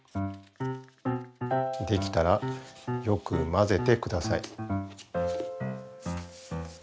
できたらよく交ぜてください。